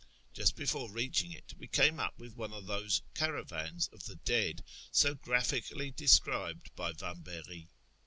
Just before reaching it we came up with one of those " caravans of the dead," so graphically described by Vambery.